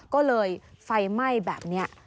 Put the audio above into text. ก็เลยไฟไหม้แบบนี้